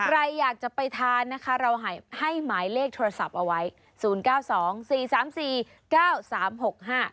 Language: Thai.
ใครอยากจะไปทานนะคะเราให้ให้หมายเลขโทรศัพท์เอาไว้ศูนย์เก้าสองสี่สามสี่เก้าสามหกห้า